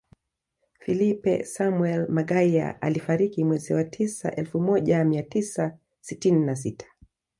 Filipe Samuel Magaia alifariki mwezi wa tisa elfu moja mia tisa sitini na sita